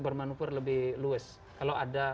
bermanufur lebih luwes kalau ada